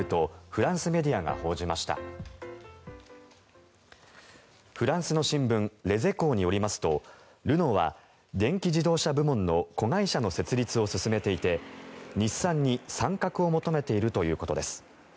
フランスの新聞レゼコーによりますとルノーは電気自動車部門の子会社の設立を進めていて日産に参画を求めているということです。